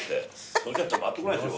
それじゃなきゃ回ってこないでしょ。